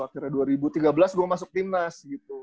akhirnya dua ribu tiga belas gue masuk timnas gitu